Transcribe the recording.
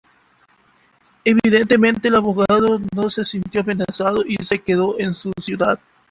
Evidentemente, el abogado no se sintió amenazado y se quedó en su ciudad.